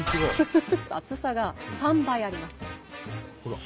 厚さが３倍あります。